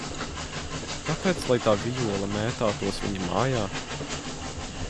Kāpēc lai tā vijole mētātos viņa mājā?